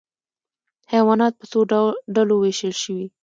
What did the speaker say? حیوانات په څو ډلو ویشل شوي؟